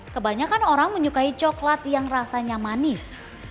kebanyakan orang menyukai coklat yang rasanya manis